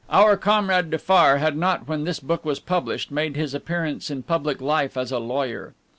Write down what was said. Our comrade Dufaure had not, when this book was published, made his appearance in public life as a lawyer.